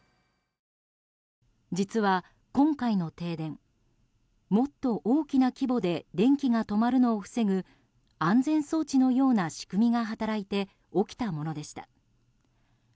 実は、今回の停電もっと大きな規模で電気が止まるのを防ぐ安全装置のような仕組みが働いて起きたものでした。